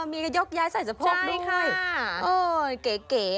มีกระยกย้ายใส่สะพกด้วยค่ะเออเก๋